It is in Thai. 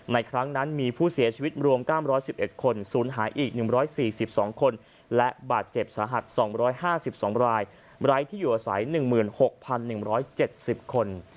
ครั้งนั้นมีผู้เสียชีวิตรวม๙๑๑คนศูนย์หายอีก๑๔๒คนและบาดเจ็บสาหัส๒๕๒รายไร้ที่อยู่อาศัย๑๖๑๗๐คน